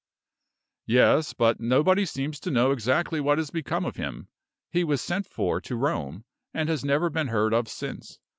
"Yes; but nobody seems to know exactly what has become of him. He was sent for to Rome, and has never been heard of since.